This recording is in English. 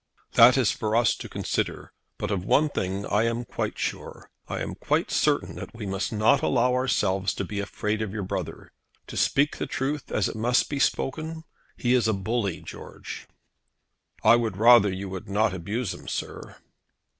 "That is for us to consider; but of one thing I am quite sure. I am quite certain that we must not allow ourselves to be afraid of your brother. To speak the truth, as it must be spoken, he is a bully, George." "I would rather you would not abuse him, sir."